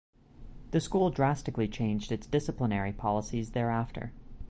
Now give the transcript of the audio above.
The school drastically changed its disciplinary policies thereafter.